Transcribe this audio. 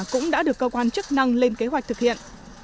cũng đã được cơ quan chức năng lên kế hoạch thực hiện